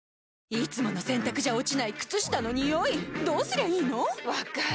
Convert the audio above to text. いつもの洗たくじゃ落ちない靴下のニオイどうすりゃいいの⁉分かる。